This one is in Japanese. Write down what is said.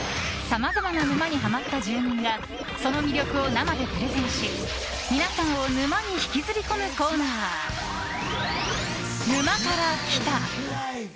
さまざまな沼にハマった住人がその魅力を生でプレゼンし皆さんを沼に引きずり込むコーナー「沼から来た。」。